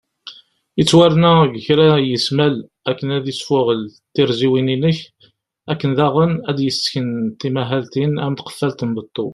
Ittwarna deg kra n ismal akken ad isfuγel tirziwin inek , akken daγen ad d-yesken timahaltin am tqefalt n beṭṭu